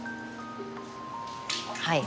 はい